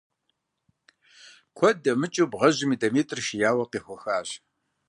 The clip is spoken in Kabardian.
Куэд дэмыкӀыу бгъэжьым и дамитӀыр шияуэ къехуэхащ.